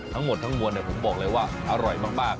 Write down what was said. ทั้งหมดเนี่ยผมบอกเลยว่าอร่อยมาก